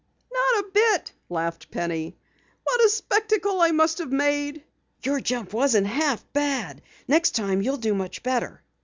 "Not a bit," laughed Penny. "What a spectacle I must have made!" "Your jump wasn't half bad. Next time you'll do much better."